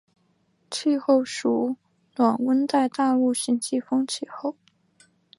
气候属暖温带大陆性季风气候。